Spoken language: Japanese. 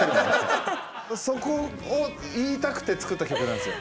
そこを言いたくて作った曲なんですよ。